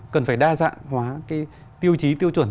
cần phải đa dạng hóa tiêu chí tiêu chuẩn